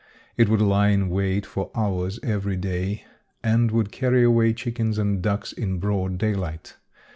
It would lie in wait for hours every day and would carry away chickens and ducks in broad daylight.